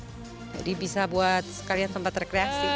jadi bisa buat sekalian tempat rekreasi